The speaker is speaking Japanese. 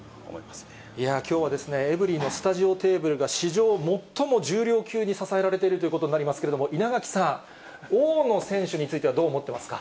きょうはエブリィのスタジオテーブルが、史上最も重量級に支えられているということになりますけれども、稲垣さん、大野選手については、どう思ってますか？